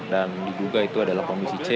dan diduga itu adalah komisi c